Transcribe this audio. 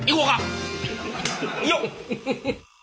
よっ！